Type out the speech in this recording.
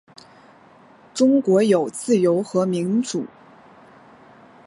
中国有自由和民主